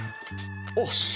おし！